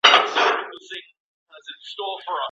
ناکامي د نوي زده کړي پیل دی.